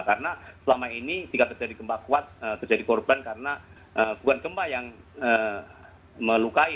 karena selama ini jika terjadi gempa kuat terjadi korban karena bukan gempa yang melukai